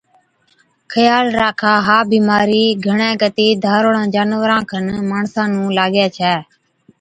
خيال راکا، ها بِيمارِي گھڻَي ڪتِي ڌاروڙان جانوَران کن ماڻسان نُون لاگَي ڇَي۔